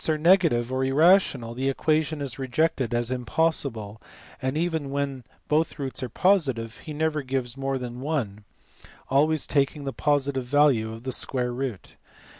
are negative or irrational* the equation is rejected as " im possible," and even when both roots are positive he never gives more than one, always taking the positive value of the square root.